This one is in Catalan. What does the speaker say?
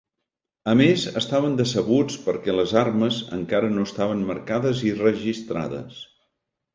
A més, estaven decebuts perquè les armes encara no estaven marcades i registrades.